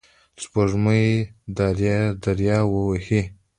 سپوږمۍ دریه وهي